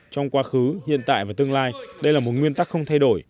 trong quá khứ hiện tại và tương lai đây là một nguyên tắc không thay đổi